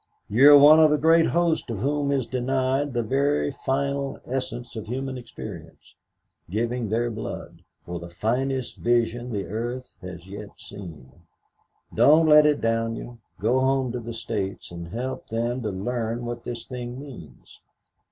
You are one of a great host to whom is denied the very final essence of human experience, giving their blood for the finest vision the earth has yet seen. Don't let it down you. Go home to the States and help them to learn what this thing means.